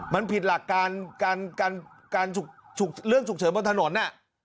มันผิดหลักการเรื่องฉุกเฉินบนถนน